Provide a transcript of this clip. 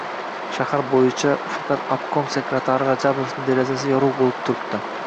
«Shahar bo‘yicha faqat obkom sekretari Rajabovni derazasi yorug‘ bo‘lib turibdi.